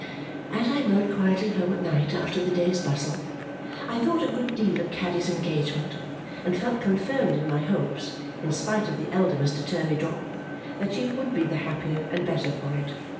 As I rode quietly home at night after the day's bustle, I thought a good deal of Caddy's engagement and felt confirmed in my hopes (in spite of the elder Mr. Turveydrop) that she would be the happier and better for it.